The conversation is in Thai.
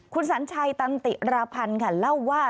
คุณสัญชัยตันติราพันธ์ค่ะเล่าว่า